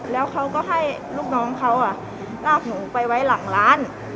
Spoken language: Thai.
แล้วเขาก็ให้ลูกน้องเขาลากหนูไปไว้หลังร้าน